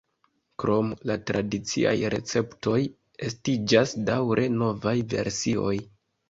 Krom la tradiciaj receptoj estiĝas daŭre novaj versioj.